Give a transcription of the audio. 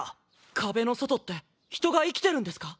壁の外って人が生きてるんですか？